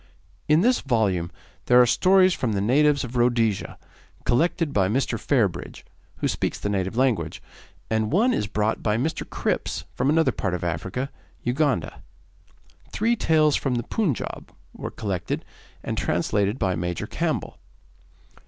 In this volume there are stories from the natives of Rhodesia, collected by Mr. Fairbridge, who speaks the native language, and one is brought by Mr. Cripps from another part of Africa, Uganda. Three tales from the Punjaub were collected and translated by Major Campbell.